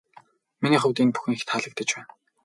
Миний хувьд энэ бүхэн их таалагдаж байна.